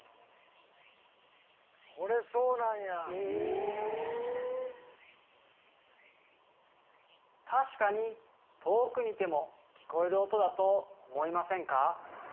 これそうなんや確かに遠くにいても聞こえる音だと思いませんか？